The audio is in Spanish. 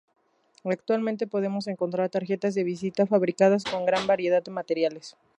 Actualmente podemos encontrar tarjetas de visita fabricadas con gran variedad de materiales.